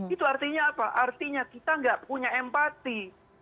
itu artinya apa artinya kita nggak punya empati